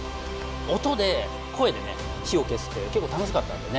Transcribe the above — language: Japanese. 音で声でね火を消すってけっこう楽しかったんでね。